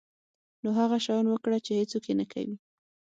نو هغه شیان وکړه چې هیڅوک یې نه کوي.